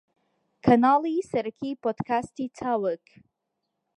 کەناڵی سەرەکی پۆدکاستی چاوگ